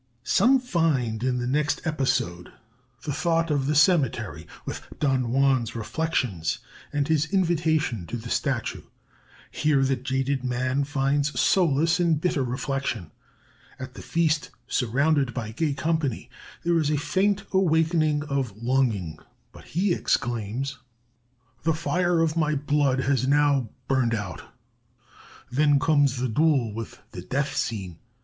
Some find in the next episode the thought of the cemetery, with Don Juan's reflections and his invitation to the Statue. Here the jaded man finds solace in bitter reflection. At the feast, surrounded by gay company, there is a faint awakening of longing, but he exclaims: "'The fire of my blood has now burned out.' "Then comes the duel, with the death scene.